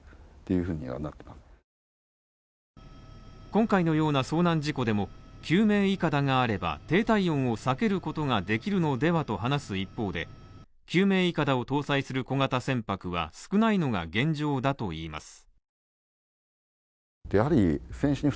今回のような遭難事故でも救命いかだがあれば低体温を避けることができるのではと話す一方で救命いかだを搭載する小型船舶は少ないのが現状だといいます。